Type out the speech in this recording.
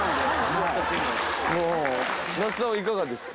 那須さんはいかがですか？